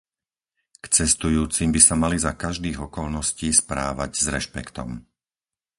K cestujúcim by sa mali za každých okolností správať s rešpektom.